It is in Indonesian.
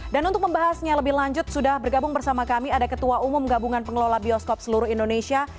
dan untuk membahasnya lebih lanjut sudah bergabung bersama kami ada ketua umum gabungan pengelola bioskop seluruh indonesia